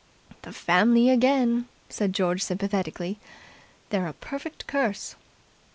"The family again!" said George sympathetically. "They're a perfect curse."